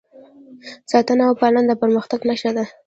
ساتنه او پالنه د پرمختګ نښه ده.